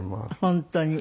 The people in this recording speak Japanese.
本当に。